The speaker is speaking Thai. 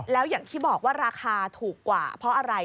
แล้วอย่างที่บอกว่าราคาถูกกว่าเพราะอะไร